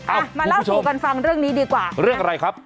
อ่ะมาเล่าสู่กันฟังเรื่องนี้ดีกว่าเรื่องอะไรครับ